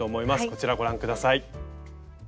こちらご覧下さい。